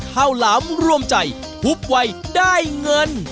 หลามร่วมใจทุกวัยได้เงิน